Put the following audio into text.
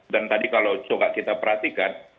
dan tadi kalau suka kita perhatikan